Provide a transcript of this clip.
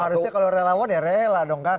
harusnya kalau relawan ya rela dong kang